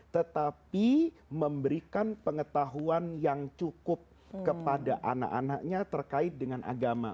tetapi memberikan pengetahuan yang cukup kepada anak anaknya terkait dengan agama